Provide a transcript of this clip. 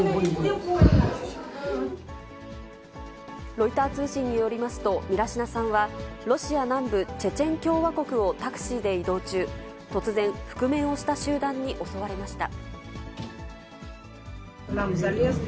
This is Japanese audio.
ロイター通信によりますと、ミラシナさんは、ロシア南部チェチェン共和国をタクシーで移動中、突然、覆面をした集団に襲われました。